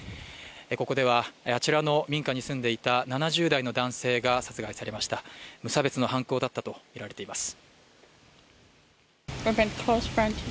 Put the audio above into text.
ここではあちらの民家に住んでいた７０代の男性が殺害されました無差別の犯行だったと見られています